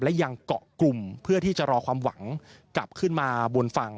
และยังเกาะกลุ่มเพื่อที่จะรอความหวังกลับขึ้นมาบนฝั่ง